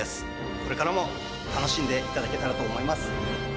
これからも楽しんでいただけたらと思います。